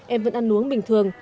em vẫn ăn uống bình thường